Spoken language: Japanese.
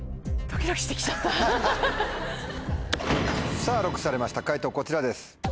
さぁＬＯＣＫされました解答こちらです。